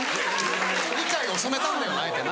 理解遅めたんだよあえてな。